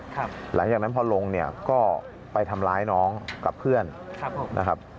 หลังจากนั้นพอลงเนี่ยก็ไปทำร้ายน้องกับเพื่อนครับผมนะครับ